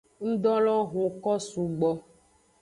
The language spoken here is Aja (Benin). Ngdo lo huko sugbo.